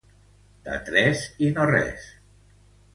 De tres i no res.